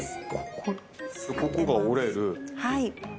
ここが折れるはい・